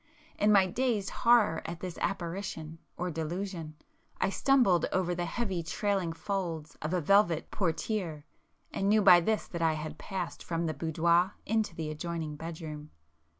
In my dazed horror at this apparition, or delusion, I stumbled over the heavy trailing folds of a velvet portiére, and knew by this that I had passed from the boudoir into the adjoining bedroom.